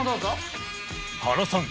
原さん